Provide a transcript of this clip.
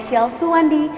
dan aku rindu